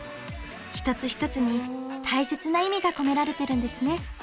一つ一つに大切な意味が込められてるんですね。